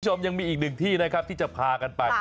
คุณผู้ชมยังมีอีกหนึ่งที่นะครับที่จะพากันไป